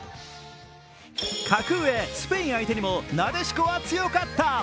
格上・スペイン相手にもなでしこは強かった。